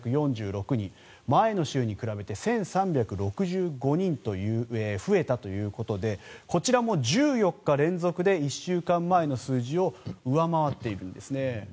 前の週に比べて１３６５人増えたということでこちらも１４日連続で１週間前の数字を上回っているんですね。